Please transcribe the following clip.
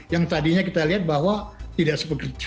yang tadinya kita lihat bahwa tidak sepekerja